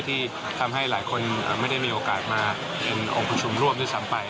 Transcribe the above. ที่ทำให้หลายคนไม่ได้มีโอกาสมาเป็นองค์ประชุมร่วมด้วยซ้ำไป